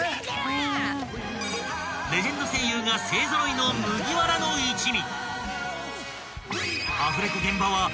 ［レジェンド声優が勢揃いの麦わらの一味］